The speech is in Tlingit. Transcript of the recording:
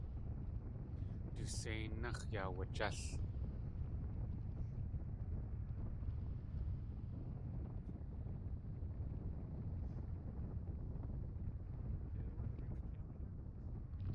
Du séináx̲ yaawajél.